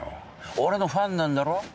俺のファンなんだろ？